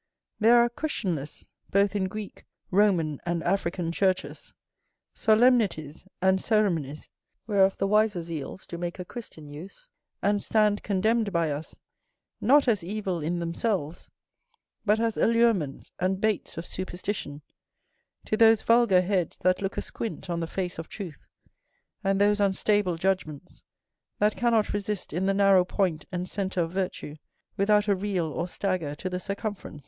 There are, questionless, both in Greek, Roman, and African churches, solemnities and ceremonies, whereof the wiser zeals do make a Christian use; and stand condemned by us, not as evil in themselves, but as allurements and baits of superstition to those vulgar heads that look asquint on the face of truth, and those unstable judgments that cannot resist in the narrow point and centre of virtue without a reel or stagger to the circumference.